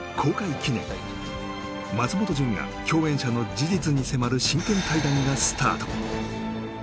記念松本潤が共演者の事実に迫る真剣対談がスタート！